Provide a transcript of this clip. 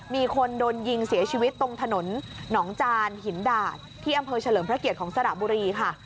มีคนโดนยิงเสียชีวิตตรงถนนหนองจานหินดาดที่อำเภอเฉลิมพระเกียรติของสระบุรีค่ะ